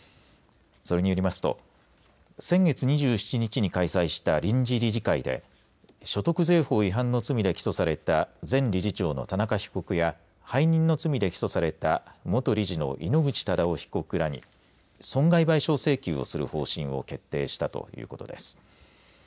それによりますと先月２７日に開催した臨時理事会で所得税法違反の罪で起訴された前理事長の田中被告や背任の罪で起訴された元理事の井ノ口忠男被告らに損害賠償請求をする方針を決定したということです。